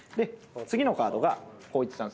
次のカードが光一さん。